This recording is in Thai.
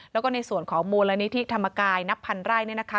แล้วก็ในส่วนของมลนิธิธรรมกายนับพันไร่เนี่ยนะคะ